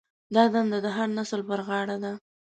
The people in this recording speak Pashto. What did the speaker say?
دا دنده د هر نسل پر غاړه ده.